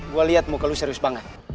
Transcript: gue liat muka lu serius banget